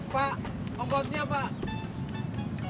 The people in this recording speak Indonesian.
pak ombosnya pak